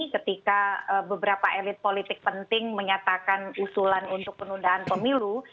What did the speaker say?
ketika beberapa elit politik penting menyatakan usulan untuk penundaan pemilu